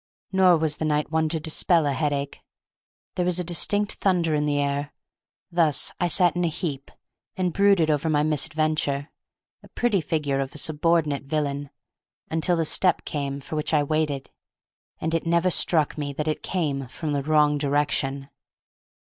Nor was the night one to dispel a headache; there was distinct thunder in the air. Thus I sat in a heap, and brooded over my misadventure, a pretty figure of a subordinate villain, until the step came for which I waited; and it never struck me that it came from the wrong direction.